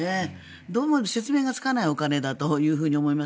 どうも説明がつかないお金だと思います。